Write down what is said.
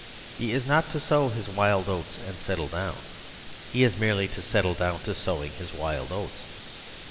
He is not to sow his wild oats and settle down ; he is merely to set tle down to sowing his wild oats.